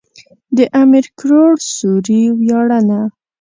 د امير کروړ سوري وياړنه.